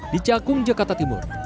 di cakung jakarta timur